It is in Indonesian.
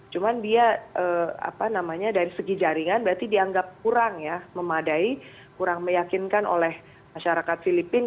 cuma dia dari segi jaringan berarti dianggap kurang memadai kurang meyakinkan oleh masyarakat filipina